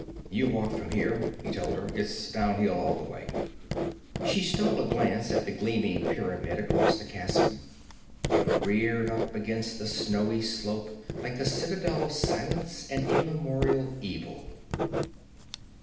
'You walk from here,' he told her; 'it's downhill all the way.' She stole a glance at the gleaming pyramid across the chasm; it reared up against the snowy slope like the citadel of silence and immemorial evil.